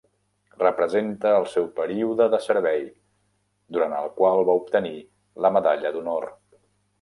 Representa el seu període de servei, durant el qual va obtenir la Medalla d'Honor.